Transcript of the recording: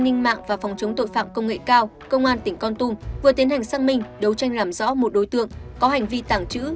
ninh mạng và phòng chống tội phạm công nghệ cao công an tp con tung vừa tiến hành sang minh đấu tranh làm rõ một đối tượng có hành vi tảng trữ